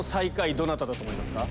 どなただと思いますか？